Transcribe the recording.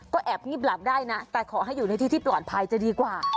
ก็แอบงีบหลับได้นะแต่ขอให้อยู่ในที่ที่ปลอดภัยจะดีกว่า